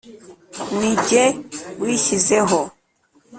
Nijye wishyizeho